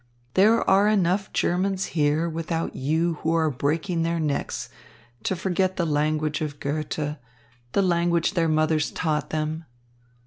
There are enough Germans here without you who are breaking their necks to forget the language of Goethe, the language their mothers taught them.